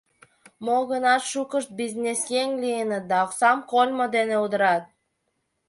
Мо-гынат шукышт бизнесъеҥ лийыныт да оксам кольмо дене удырат.